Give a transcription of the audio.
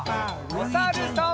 おさるさん。